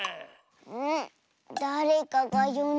ん？